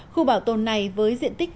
khu bảo tồn này với diện tích